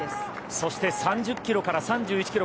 そして、３０キロから３１キロ